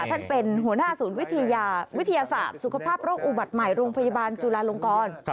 ท่านเป็นหัวหน้าศูนย์วิทยาวิทยาศาสตร์สุขภาพโรคอุบัติใหม่โรงพยาบาลจุลาลงกร